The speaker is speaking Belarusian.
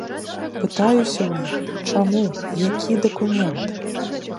Пытаюся ў іх, чаму, які дакумент?